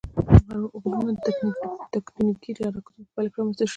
غرونه د تکتونیکي حرکاتو په پایله کې رامنځته شوي.